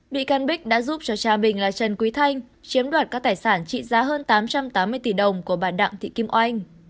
bị can bích đã giúp cho cha bình là trần quý thanh chiếm đoạt các tài sản trị giá hơn tám trăm tám mươi tỷ đồng của bà đặng thị kim oanh